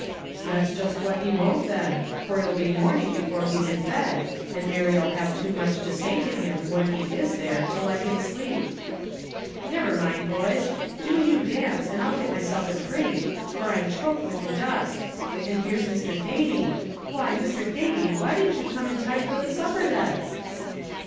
"That's jist what he won't, then; for it'll be morning before he's in bed, and Mary'll have too much to say to him, when he is there, to let him sleep." "Never mind, boys; do you dance, and I'll get myself a dhrink, for I'm choked with the dust; and here's Mr. Thady. Why, Mr. Thady, why didn't you come in time for the supper, then?"